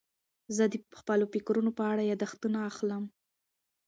زه د خپلو فکرونو په اړه یاداښتونه اخلم.